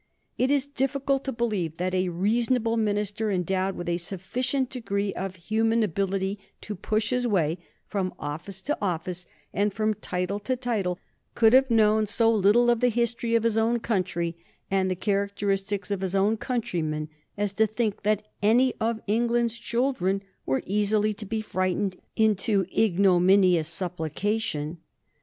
It is difficult to believe that a reasonable minister, endowed with a sufficient degree of human ability to push his way from office to office and from title to title, could have known so little of the history of his own country and the characteristics of his own countrymen as to think that any of England's children were easily to be frightened into ignominious supplication.